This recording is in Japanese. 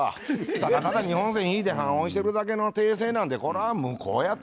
「ただただ２本線引いて判押してるだけの訂正なんてこれは無効や」と。